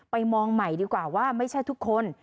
มองใหม่ดีกว่าว่าไม่ใช่ทุกคน